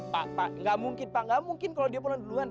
pak nggak mungkin pak nggak mungkin kalau dia pulang duluan